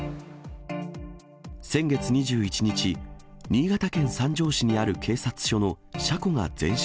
先月２１日、新潟県三条市にある警察署の車庫が全焼。